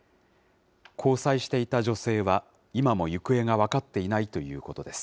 交際していた女性は、今も行方が分かっていないということです。